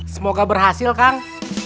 semoga berhasil kang